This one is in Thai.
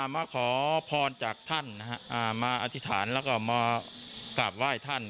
มาขอพรจากท่านมาอธิษฐานแล้วก็มากราบไหว้ท่าน